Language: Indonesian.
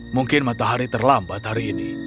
mungkin matahari terlambat hari ini